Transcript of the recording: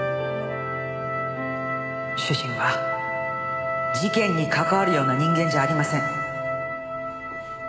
主人は事件に関わるような人間じゃありません。